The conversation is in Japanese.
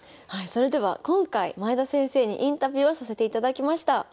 はいそれでは今回前田先生にインタビューをさせていただきました。